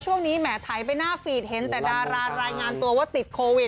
แหมถ่ายไปหน้าฟีดเห็นแต่ดารารายงานตัวว่าติดโควิด